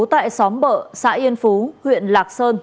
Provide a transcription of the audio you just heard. tại xóm bợ xã yên phú huyện lạc sơn